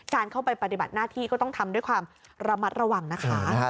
การเข้าไปปฏิบัติหน้าที่ก็ต้องทำด้วยความระมัดระวังนะคะ